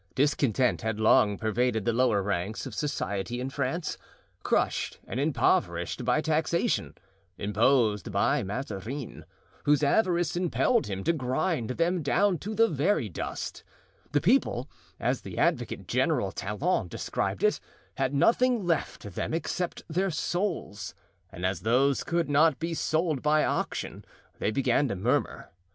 Discontent had long pervaded the lower ranks of society in France. Crushed and impoverished by taxation—imposed by Mazarin, whose avarice impelled him to grind them down to the very dust—the people, as the Advocate General Talon described it, had nothing left to them except their souls; and as those could not be sold by auction, they began to murmur.